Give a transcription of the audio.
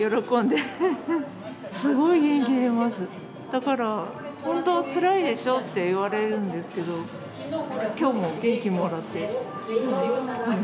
だから「本当はつらいでしょ」って言われるんですけど今日も元気もらって。